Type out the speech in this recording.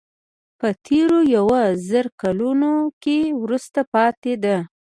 په تېرو یو زر کلونو کې وروسته پاتې ده.